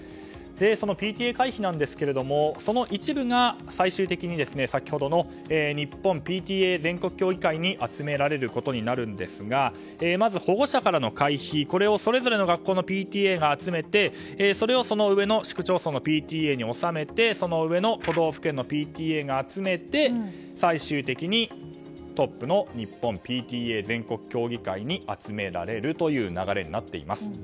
ＰＴＡ会費なんですがその一部が最終的に先ほどの日本ＰＴＡ全国協議会に集められることになるんですがまず保護者からの会費をそれぞれの学校のＰＴＡが集めてそれをその上の市区町村のＰＴＡに納めてその上の都道府県のＰＴＡが集めて最終的にトップの日本ＰＴＡ全国協議会に集められるという流れになっています。